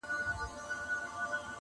قافلې د سوداگرو يې لوټلې،